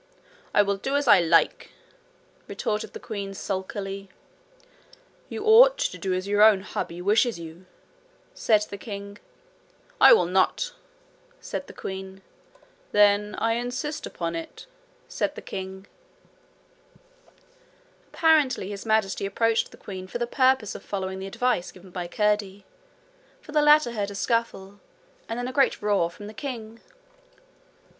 'I will do as I like,' retorted the queen sulkily. 'You ought to do as your own hubby wishes you,' said the king. 'I will not,' said the queen. 'Then I insist upon it,' said the king. Apparently His Majesty approached the queen for the purpose of following the advice given by Curdie, for the latter heard a scuffle, and then a great roar from the king.